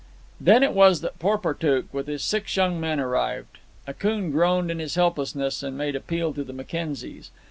Then it was that Porportuk, with his six young men, arrived. Akoon groaned in his helplessness and made appeal to the Mackenzies.